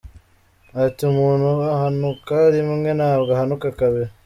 Ati “Umuntu ahanuka rimwe ntabwo ahanuka kabiri.